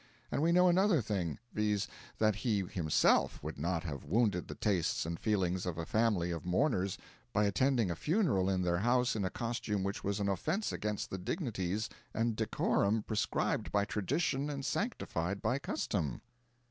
And we know another thing, viz. that he himself would not have wounded the tastes and feelings of a family of mourners by attending a funeral in their house in a costume which was an offence against the dignities and decorum prescribed by tradition and sanctified by custom.